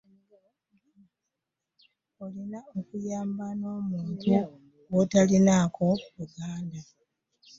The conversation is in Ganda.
Olina okuyamba n'omuntu gw'otalinaako Luganda.